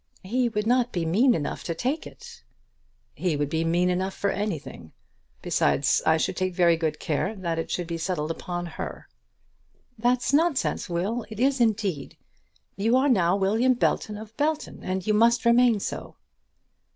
"He would not be mean enough to take it." "He would be mean enough for anything. Besides, I should take very good care that it should be settled upon her." "That's nonsense, Will; it is indeed. You are now William Belton of Belton, and you must remain so."